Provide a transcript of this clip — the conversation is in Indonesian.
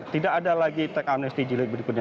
tidak ada lagi teks amnesti jilid berikutnya